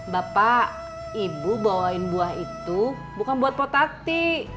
bapak ibu bawain buah itu bukan buat potati